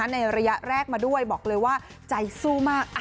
ในระยะแรกมาด้วยบอกเลยว่าใจสู้มาก